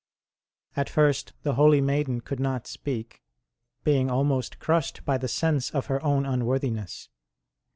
1 At first the holy maiden could not speak, being almost crushed by the sense of her own ii 162 ST. ROSE OF LIMA unworthiness.